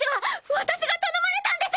私が頼まれたんです！